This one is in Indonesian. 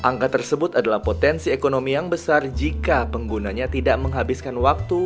angka tersebut adalah potensi ekonomi yang besar jika penggunanya tidak menghabiskan waktu